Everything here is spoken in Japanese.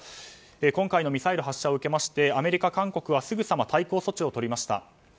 今回のミサイル発射を受けましてアメリカ、韓国はすぐさま対抗措置を取りました。